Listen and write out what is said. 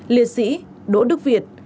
liệt sĩ đỗ đức việt